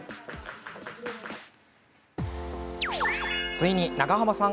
ついに、長濱さん